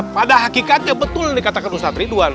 pada hakikatnya betul nih katakan ustaz ridwan